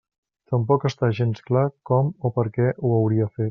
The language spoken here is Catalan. Tampoc està gens clar com o perquè ho hauria fet.